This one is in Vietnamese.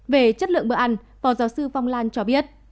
về chất lượng bữa ăn phó giáo sư phong lan cho biết